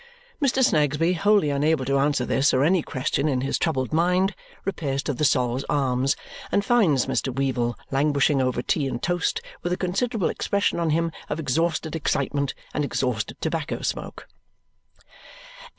Mr. Snagsby, wholly unable to answer this or any question in his troubled mind, repairs to the Sol's Arms and finds Mr. Weevle languishing over tea and toast with a considerable expression on him of exhausted excitement and exhausted tobacco smoke.